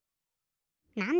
なんだ？